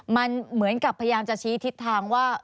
มันเหมือนกับพยายามจะชี้ทิศทางว่า